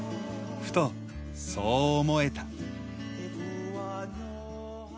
ふとそう思えた。